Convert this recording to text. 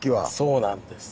そうなんです。